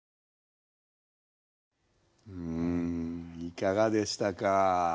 いかがでしたか？